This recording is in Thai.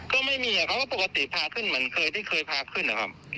ก็ไม่มีเขาก็ปกติพาขึ้นเหมือนเคยที่เคยพาขึ้นนะครับ